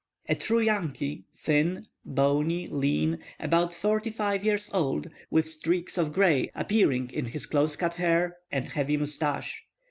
A true Yankee, thin, bony, lean, about forty five years old, with streaks of grey appearing in his close cut hair and heavy moustache.